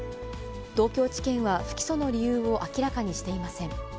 東京地検は不起訴の理由を明らかにしていません。